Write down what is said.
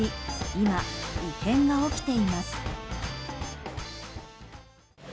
今、異変が起きています。